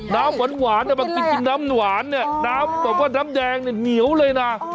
น้ำยังเหมี๋มาเนียวเลยนะ